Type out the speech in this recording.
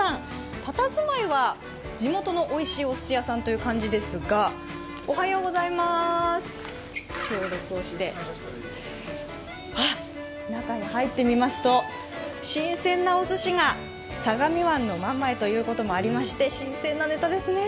たたずまいは地元のおいしいお寿司屋さんという感じですが中に入ってみますと、新鮮なお寿司が相模湾の真ん前ということもあって、新鮮なネタですね。